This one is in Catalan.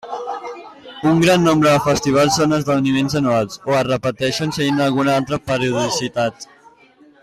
Un gran nombre de festivals són esdeveniments anuals, o es repeteixen seguint alguna altra periodicitat.